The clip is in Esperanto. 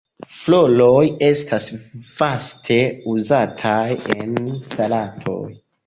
Floroj estas vaste uzataj en salatoj.